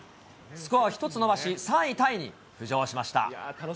スコアを１つ伸ばし、３位タイに浮上しました。